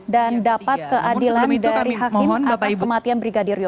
dan dapat keadilan dari hakim atas kematian brigadir yesua